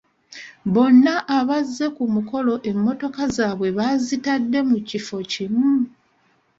Bonna abazze ku mukolo emmotoka zaabwe baazitadde mu kifo kimu.